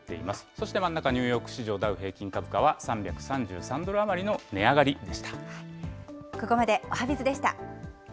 そして真ん中、ニューヨーク市場ダウ平均株価は３３３ドル余りの値上がりでした。